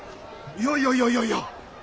いやいやいやいやいや！